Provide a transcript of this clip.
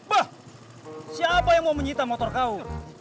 bah siapa yang mau menyita motor kaum